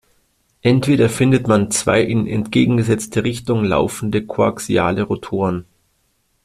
Entweder findet man zwei in entgegengesetzte Richtung laufende koaxiale Rotoren.